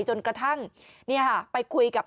จนกระทั่งเนี่ยฮะไปคุยกับ